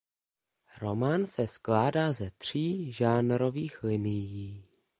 Román se skládá ze tří žánrových linií.